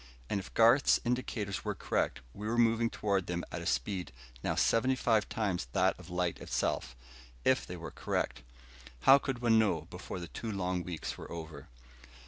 And if Garth's indicators were correct, we were moving toward them at a speed now seventy five times that of light itself. If they were correct.... How could one know, before the long two weeks were over?